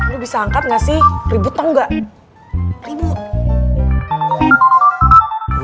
lo bisa angkat gak sih ribut tau gak